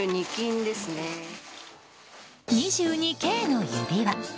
２２Ｋの指輪。